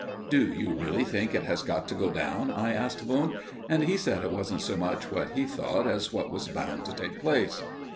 "Do you really think it has got to go down?" I asked Wundt, and he said it wasn't so much what he thought as what was bound to take place.